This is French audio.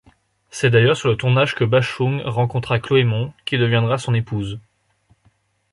C'est d'ailleurs sur le tournage que Bashung rencontra Chloé Mons, qui deviendra son épouse.